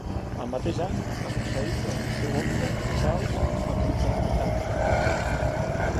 El mateix any, va succeir el seu oncle Charles com a comte d'Ancram.